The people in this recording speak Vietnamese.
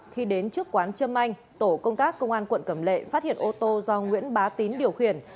khi đến trước quán trâm anh tổ công tác công an quận cẩm lệ phát hiện ô tô do nguyễn bá tín điều khiển